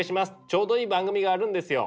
ちょうどいい番組があるんですよ。